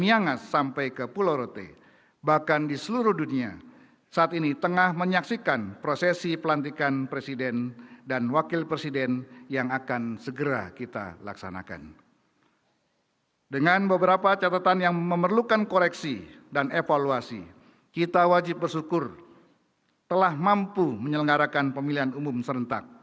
yang mulia henry van thieu wakil presiden republik uni myanmar